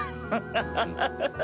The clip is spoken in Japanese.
ハハハハ！